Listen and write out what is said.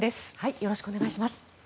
よろしくお願いします。